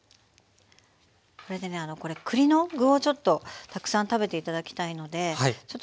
これでねこれ栗の具をちょっとたくさん食べて頂きたいのでちょっと具も具で盛りつけますね。